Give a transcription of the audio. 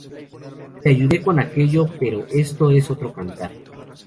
Te ayudé con aquello pero esto es otro cantar